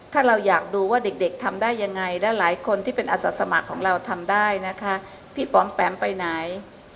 ถ้าเราอยากดูว่าเด็กทำได้ยังไงและหลายคนที่เป็นอาสาสมัครของเราทำได้นะคะพี่ป๋อมแปมไปไหน